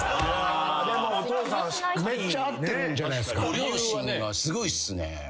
ご両親がすごいっすね。